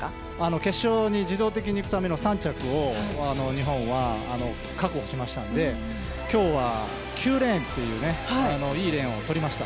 決勝に自動的に行くための３着を日本は確保しましたので今日は９レーンといういいレーンを取りました。